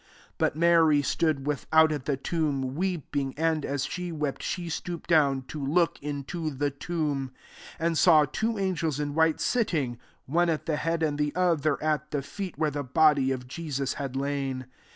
11 But Mary stood without, at the tomb, weeping ; and, as she wept, she stooped down, to look into the tomb ; 12 and saw two angels in white, sitting, one at the head and the other at the feet, where the body of Jesus had lain.